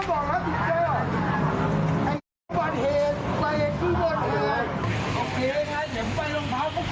ใครเธอผมไม่ได้คุยหรอกแต่ผมรับผิดชอบยังไงละผมพี่